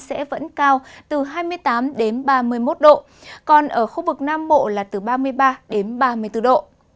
sẽ vẫn cao từ hai mươi tám ba mươi một độ còn ở khu vực nam bộ là từ ba mươi ba đến ba mươi bốn độ